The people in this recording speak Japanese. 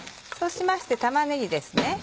そうしまして玉ねぎですね